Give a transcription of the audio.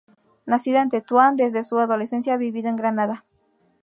Nacida en Tetuán, desde su adolescencia ha vivido en Granada.